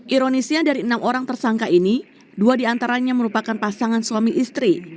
ironisnya dari enam orang tersangka ini dua diantaranya merupakan pasangan suami istri